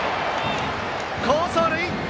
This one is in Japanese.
好走塁！